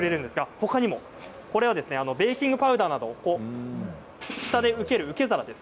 ほかにもベーキングパウダーなどを下で受ける、受け皿です。